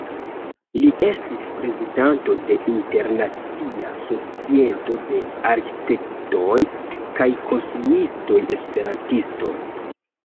Li estis prezidanto de Internacia Societo de Arkitektoj kaj Konstruistoj Esperantistoj.